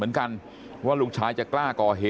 มันครูสะตังค์น่ะครับ